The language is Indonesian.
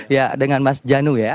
ya dengan mas janu ya